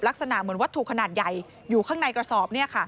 ลักษณะเหมือนวัตถุขนาดใหญ่อยู่ข้างในกระสอบ